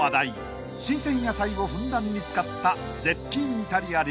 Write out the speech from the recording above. ［新鮮野菜をふんだんに使った絶品］